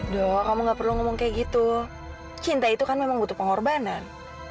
dong kamu gak perlu ngomong kayak gitu cinta itu kan memang butuh pengorbanan